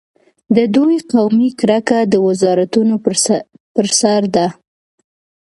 د دوی قومي کرکه د وزارتونو پر سر ده.